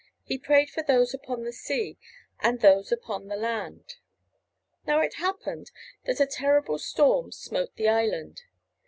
He prayed for those upon the sea and those upon the land. Now it happened that a terrible storm smote the island.